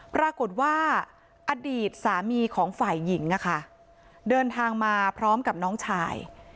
ปรากฏว่าอดีตสามีของฝ่ายหญิงเดินทางมาพร้อมกับน้องชาย